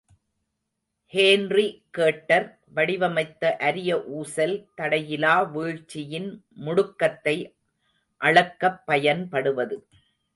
ஹேன்றி cater வடிவமைத்த அரிய ஊசல், தடையிலா வீழ்ச்சியின் முடுக்கத்தை அளக்கப் பயன்படுவது.